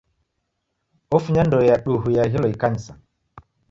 Ofunya ndoe ya duhu iaghilo ikanisa.